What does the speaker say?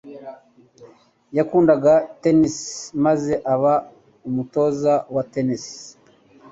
Yakundaga tennis maze aba umutoza wa tennis.